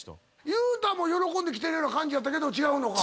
裕太はもう喜んで来てるような感じやったけど違うのか。